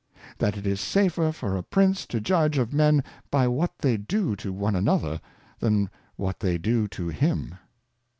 That it is safer for a Prince to Judge of Men by what they do to one another, than what they do to him.